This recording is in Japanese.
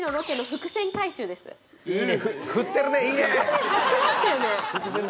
伏線張ってましたよね。